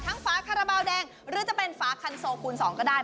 ทั้งฝาคาราเบาแดงหรือจะเป็นฝาคันโซคูณสองก็ได้